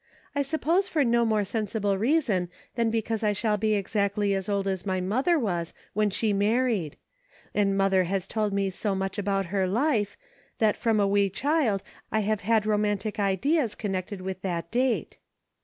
I suppose for no more sensible reason than because I shall be exactly as old as my mother was when she was married ; and mother has told me so much about her life, that from a wee child I have had romantic ideas connected with that date."